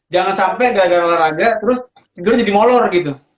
jangan sampai gara gara olahraga terus tidur jadi molor gitu